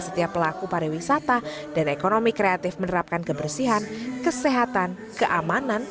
setiap pelaku pariwisata dan ekonomi kreatif menerapkan kebersihan kesehatan keamanan